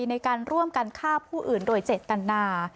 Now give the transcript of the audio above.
ในการร่วมกันฆ่าผู้อื่นโดยเจตนา